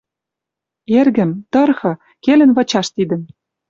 «Эргӹм, тырхы. Келӹн вычаш тидӹм